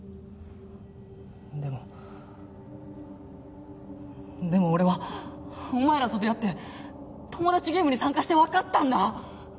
でもでも俺はお前らと出会ってトモダチゲームに参加してわかったんだ！